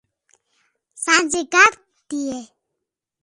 اساں جے گھر تی ہے